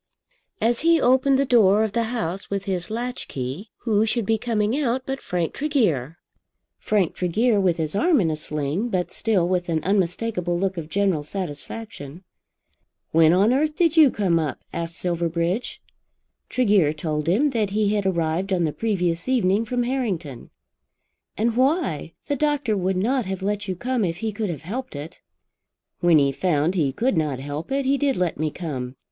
As he opened the door of the house with his latch key, who should be coming out but Frank Tregear, Frank Tregear with his arm in a sling, but still with an unmistakable look of general satisfaction. "When on earth did you come up?" asked Silverbridge. Tregear told him that he had arrived on the previous evening from Harrington. "And why? The doctor would not have let you come if he could have helped it." "When he found he could not help it, he did let me come.